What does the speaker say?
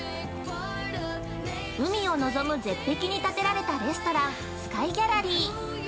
◆海を望む絶壁に建てられたレストラン、スカイギャラリー。